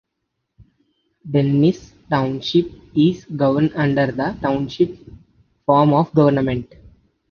Dennis Township is governed under the Township form of government.